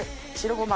ごま。